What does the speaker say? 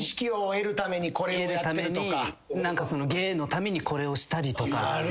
芸のためにこれをしたりとか。